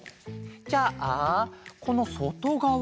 じゃあこのそとがわには。